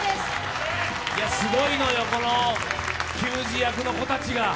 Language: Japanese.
いや、すごいのよ、この球児役の子たちが。